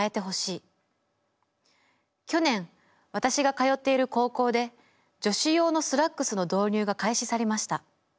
去年私が通っている高校で『女子用のスラックス』の導入が開始されました。